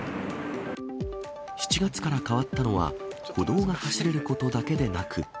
７月から変わったのは、歩道が走れることだけでなく。